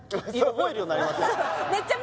覚えるようになりましたよね